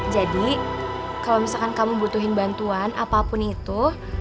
jadi kalo misalkan kamu butuhin bantuan apapun itu